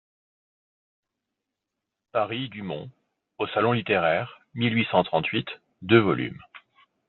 Paris, Dumont, Au Salon littéraire, mille huit cent trente-huit, deux vol.